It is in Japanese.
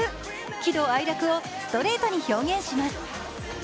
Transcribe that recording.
喜怒哀楽をストレートに表現します。